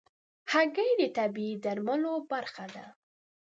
هګۍ د طبيعي درملو برخه ده.